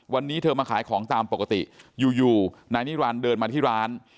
วันนี้เธอมาขายของตามปกติอยู่นายนิรันดิ์เดินมาที่ร้าน